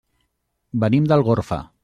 Venim d'Algorfa.